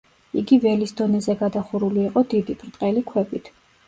იგი ველის დონეზე გადახურული იყო დიდი, ბრტყელი ქვებით.